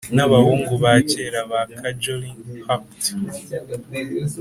nabahungu ba kera ba cudgelling, hacked